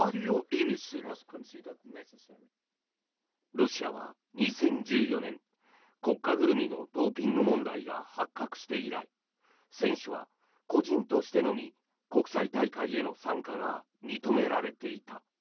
ロシアは２０１４年国家ぐるみのドーピング問題が発覚して以来選手は個人としてのみ国際大会への参加が認められていた。